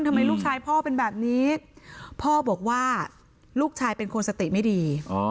ทำไมลูกชายพ่อเป็นแบบนี้พ่อบอกว่าลูกชายเป็นคนสติไม่ดี